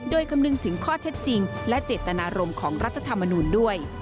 โดยคำนึงถึงข้อเท็จจริงและเจตนารมณ์ของรัฐธรรมนูลด้วย